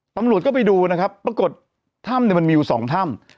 ตำรวจก็ไปดูนะครับปรากฏถ้ำเนี่ยมันมีอยู่สองถ้ำ